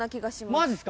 マジっすか！